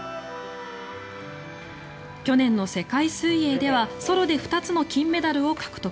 去年の世界水泳ではソロで２つの金メダルを獲得。